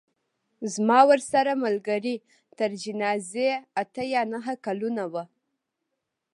زما ورسره ملګرۍ تر جنازې اته یا نهه کلونه وه.